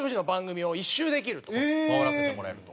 回らせてもらえると。